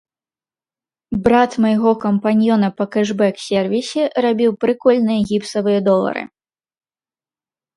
Брат майго кампаньёна па кэшбэк-сервісе рабіў прыкольныя гіпсавыя долары.